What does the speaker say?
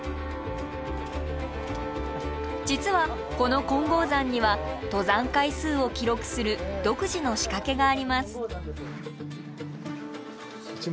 実はこの金剛山には登山回数を記録する独自の仕掛けがあります。